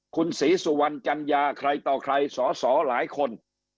คุณศรีสุวรรณจัญญาใครต่อใครสอสอหลายคน